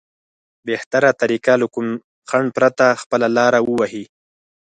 بهتره طريقه له کوم خنډ پرته خپله لاره ووهي.